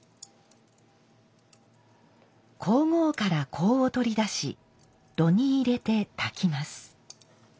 香合から香を取り出し炉に入れてたきます。